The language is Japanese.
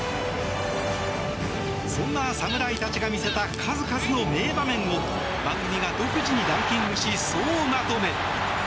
そんな侍たちが見せた数々の名場面を番組が独自にランキングし総まとめ。